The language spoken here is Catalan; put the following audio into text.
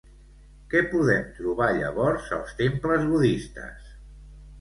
Què podem trobar llavors als temples budistes?